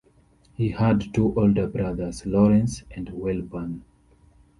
He had two older brothers, Lawrence and Welburne.